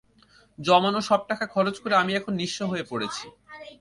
জমানো সব টাকা খরচ করে আমি এখন নিঃস্ব হয়ে পড়েছি।